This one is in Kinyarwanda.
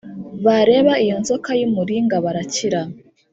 bareba iyo nzoka y’umuringa barakira